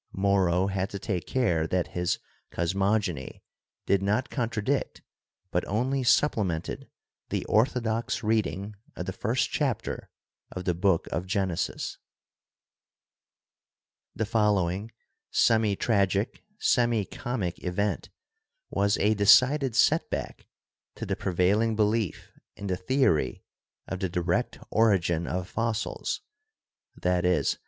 Moro had to take care that his cosmogony did not contradict but only supplemented the orthodox reading of the first chapter of the Book of Genesis. The following semi tragic, semi comic event was a decided setback to the prevailing belief in the theory of the direct origin of fossils — i.e.